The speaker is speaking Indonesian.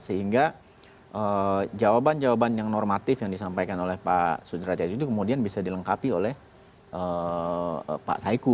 sehingga jawaban jawaban yang normatif yang disampaikan oleh pak sudrajat itu kemudian bisa dilengkapi oleh pak saiku